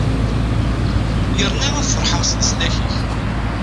Yerna ad ferḥeɣ s leslak-ik.